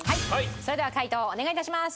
それでは解答をお願い致します。